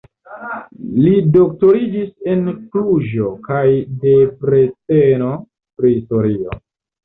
Li doktoriĝis en Kluĵo kaj Debreceno pri historio.